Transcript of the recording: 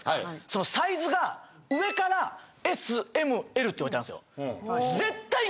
そのサイズが上からＳ・Ｍ・Ｌって置いてあるんですよ。